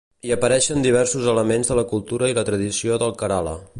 Hi apareixen diversos elements de la cultura i la tradició del Kerala.